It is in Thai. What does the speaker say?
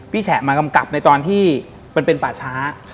แฉะมากำกับในตอนที่มันเป็นป่าช้า